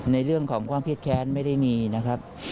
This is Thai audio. ในเรื่องของความเครียดแค้นไม่ได้มีนะครับ